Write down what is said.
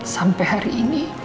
sampai hari ini